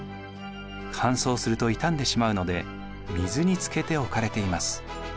乾燥すると傷んでしまうので水につけて置かれています。